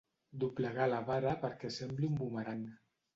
Doblegar la vara perquè sembli un bumerang.